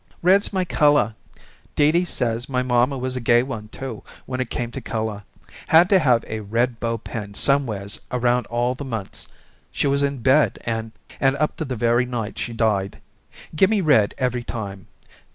"Red's my color. Dee Dee says my mamma was a gay one, too, when it came to color. Had to have a red bow pinned somewheres around all the months she was in bed and and up to the very night she died. Gimme red every time.